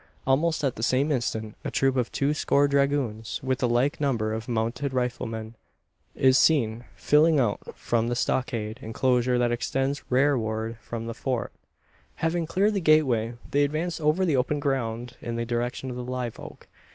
Almost at the same instant a troop of two score dragoons, with a like number of mounted riflemen, is seen filing out from the stockade enclosure that extends rearward from the Fort. Having cleared the gateway, they advance over the open ground in the direction of the live oak.